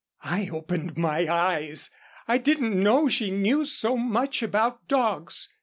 I opened my eyes. I didn't know she knew so much about dogs.